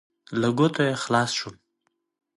له ګوتو خلاص شوم.